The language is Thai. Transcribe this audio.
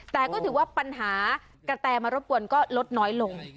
แต่ก็ถือว่าปัญหากระแตมารบกวนก็ลดน้อยลง